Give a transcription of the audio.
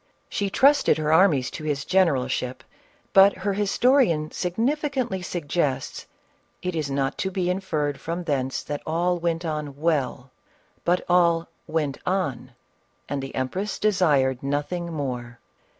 She trusted her armies to his generalship ; but her his torian significantly suggests, " it is not to be inferred from thence that all went on well, but all ivent on and the empress desired nothing more."